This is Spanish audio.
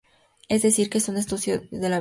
Es decir que es un estudioso de la vida.